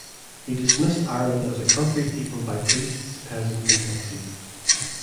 He dismissed Ireland as a "country peopled by priests, peasants and pixies".